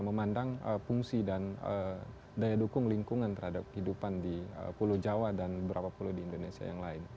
memandang fungsi dan daya dukung lingkungan terhadap kehidupan di pulau jawa dan beberapa pulau di indonesia yang lain